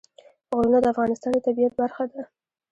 غرونه د افغانستان د طبیعت برخه ده.